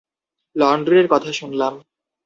লন্ড্রির কথা শুনলাম।